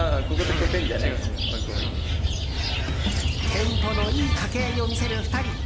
テンポのいい掛け合いを見せる２人。